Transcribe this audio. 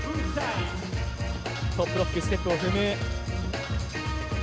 トップロック、ステップを踏む。